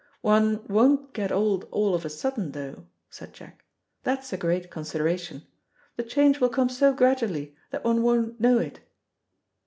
"One won't get old all of a sudden, though," said Jack; "that's a great consideration. The change will come so gradually that one won't know it."